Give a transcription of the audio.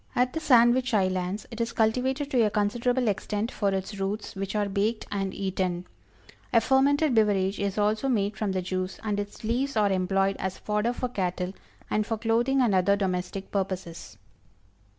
At the Sandwich Islands it is cultivated to a considerable extent for its roots, which are baked and eaten. A fermented beverage is also made from the juice, and its leaves are employed as fodder for cattle, and for clothing and other domestic purposes.